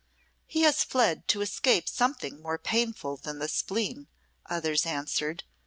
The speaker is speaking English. "He has fled to escape something more painful than the spleen," others answered.